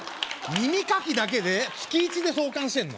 耳かきだけで月１で創刊してんの？